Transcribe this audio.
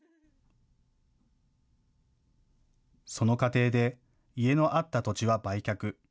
その過程で家のあった土地は売却。